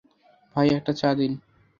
ভাই একটা চা দিন?